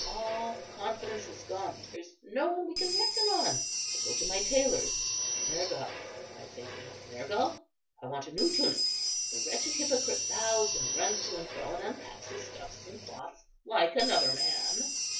All confidence is gone; there's no one we can reckon on. I go to my tailor's: 'Nergal,' I say to him, 'Nergal, I want a new tunic,' The wretched hypocrite bows, and runs to and fro, and unpacks his stuffs and cloths, like another man.